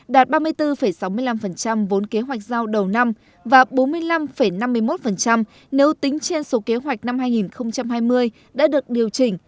đạt ba mươi bốn sáu mươi năm vốn kế hoạch giao đầu năm và bốn mươi năm năm mươi một nếu tính trên số kế hoạch năm hai nghìn hai mươi đã được điều chỉnh